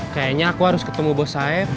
kayaknya aku harus ketemu bos saif